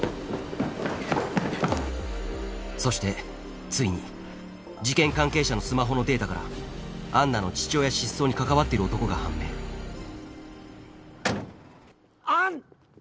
そしてついに事件関係者のスマホのデータからアンナの父親失踪に関わっている男が判明アン！